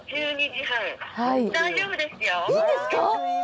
いいんですか！？